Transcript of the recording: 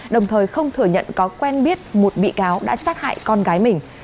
đồng thời không thừa nhận có quen biết một bị cáo đã sát hại con gái mình